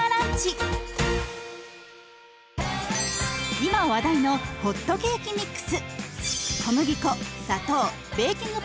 今話題のホットケーキミックス。